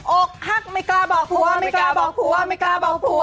อกหักไม่กล้าบอกผัวไม่กล้าบอกผัวไม่กล้าบอกผัว